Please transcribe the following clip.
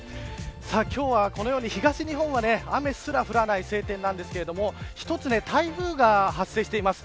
今日はこのように、東日本は雨すら降らない晴天なんですが一つ台風が発生しています。